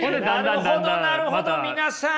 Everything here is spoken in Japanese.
なるほどなるほど皆さん！